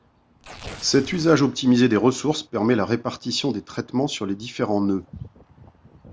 Cet usage optimisé des ressources permet la répartition des traitements sur les différents nœuds.